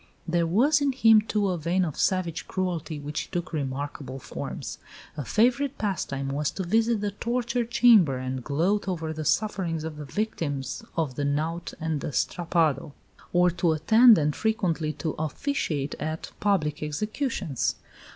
There was in him, too, a vein of savage cruelty which took remarkable forms. A favourite pastime was to visit the torture chamber and gloat over the sufferings of the victims of the knout and the strappado; or to attend (and frequently to officiate at) public executions.